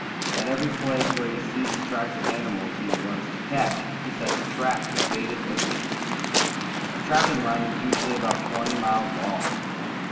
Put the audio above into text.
At every place where he sees the tracks of the animals he wants to catch, he sets a trap baited with meat. A trapping line is usually about twenty miles long.